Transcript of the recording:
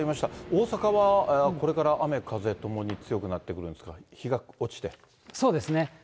大阪はこれから雨風ともに強くなってくるんですか、そうですね。